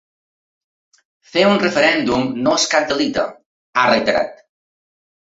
Fer un referèndum no és cap delicte, ha reiterat.